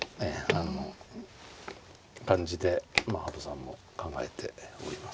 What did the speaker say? あの感じでまあ羽生さんも考えております。